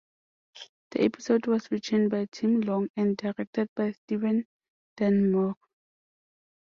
The episode was written by Tim Long and directed by Steven Dean Moore.